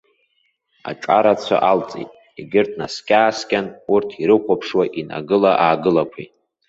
Аҿарацәа алҵит, егьырҭ наскьа-ааскьан урҭ ирыхәаԥшуа инагыла-аагылақәеит.